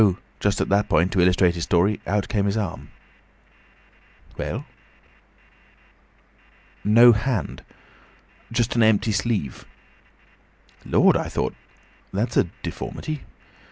Just at that point, to illustrate his story, out came his arm." "Well?" "No hand—just an empty sleeve. Lord! I thought, that's a deformity!